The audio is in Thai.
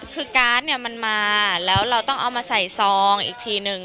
คือการ์ดเนี่ยมันมาแล้วเราต้องเอามาใส่ซองอีกทีนึง